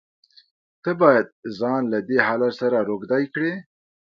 ته بايد ځان له دې حالت سره روږدى کړې.